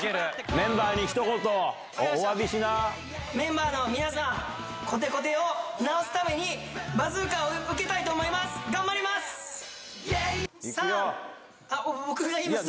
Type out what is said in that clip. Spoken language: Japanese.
メンバーにひと言、おわびしメンバーの皆さん、こてこてを直すためにバズーカを受けたいと思います。